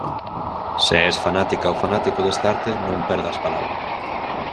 Se es fanática ou fanático desta arte, non perdas palabra!